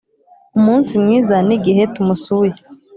umunsi mwiza nigihe tumusuye,